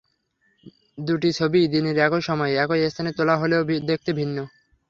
দুটি ছবিই দিনের একই সময়ে, একই স্থানে তোলা হলেও দেখতে ভিন্ন।